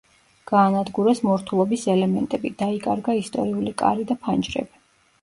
გაანადგურეს მორთულობის ელემენტები, დაიკარგა ისტორიული კარი და ფანჯრები.